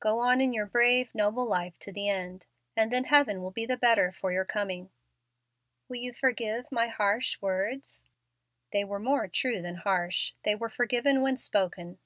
Go on in your brave, noble life to the end, and then heaven will be the better for your coming." "Will you forgive my harsh words?" "They were more true than harsh. They were forgiven when spoken."